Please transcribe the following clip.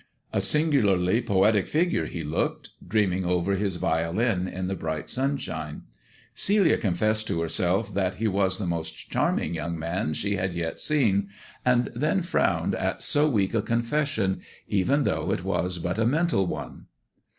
A singularly poetic figure he looked, dreaming over his violin in the bright sunshine. Celia confessed to herself that he was the most charming young man she had yet seen; and then frowned at so weak a confession, even though it was but a mental one.